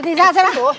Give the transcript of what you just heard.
thì ra xem ạ